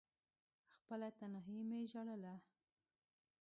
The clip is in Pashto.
خپله تنهايي مې ژړله…